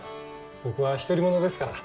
僕は独り者ですから。